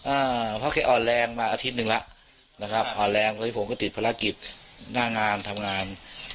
อะเพราะเขาอ่อนแรงมาอาทิตย์นึงแลจะคือผมก็ติดภารกิจหน้างามทำงาน